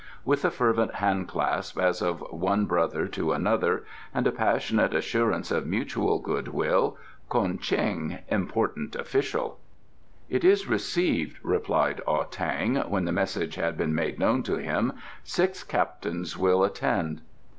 "With a fervent hand clasp as of one brother to another, and a passionate assurance of mutual good will, "KO'EN CHENG, "Important Official." "It is received," replied Ah tang, when the message had been made known to him. "Six captains will attend."